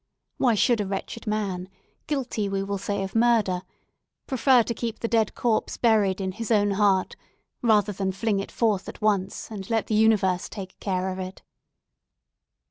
Why should a wretched man—guilty, we will say, of murder—prefer to keep the dead corpse buried in his own heart, rather than fling it forth at once, and let the universe take care of it!"